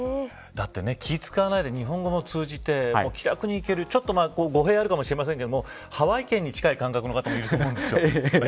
だって気を使わないで日本語も通じて気楽に行けるちょっと語弊はあるかもしれませんがハワイ県に近い感覚の方もいると思うんですよ。